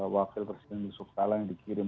wakil presiden yusuf kalla yang dikirim